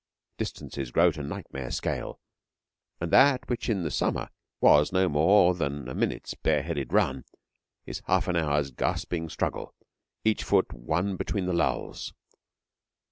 Distances grow to nightmare scale, and that which in the summer was no more than a minute's bare headed run, is half an hour's gasping struggle, each foot won between the lulls.